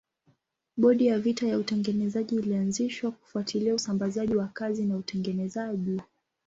Bodi ya vita ya utengenezaji ilianzishwa kufuatilia usambazaji wa kazi na utengenezaji.